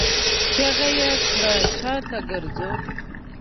چيغه يې کړه! شاته ګرځو!